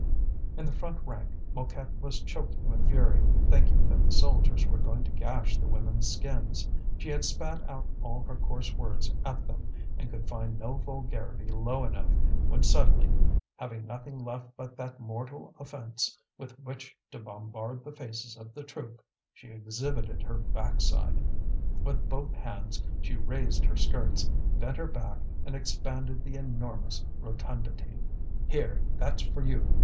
In the front rank Mouquette was choking with fury, thinking that the soldiers were going to gash the women's skins. She had spat out all her coarse words at them, and could find no vulgarity low enough, when suddenly, having nothing left but that mortal offence with which to bombard the faces of the troop, she exhibited her backside. With both hands she raised her skirts, bent her back, and expanded the enormous rotundity. "Here, that's for you!